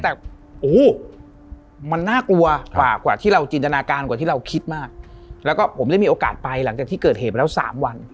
แต่โอ้โหมันน่ากลัวกว่าที่เราจินตนาการกว่าที่เราคิดมากแล้วก็ผมได้มีโอกาสไปหลังจากที่เกิดเหตุไปแล้ว๓วัน